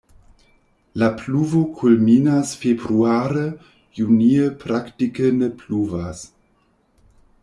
La pluvo kulminas februare, junie praktike ne pluvas.